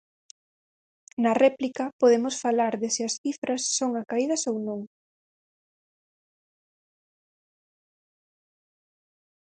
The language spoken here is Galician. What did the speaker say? Na réplica podemos falar de se as cifras son acaídas ou non.